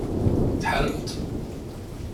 Tḥaremt?